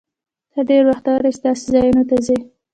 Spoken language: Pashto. ته ډېر بختور یې، چې داسې ځایونو ته ځې.